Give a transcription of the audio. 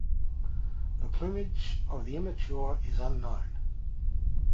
The plumage of the immature is unknown.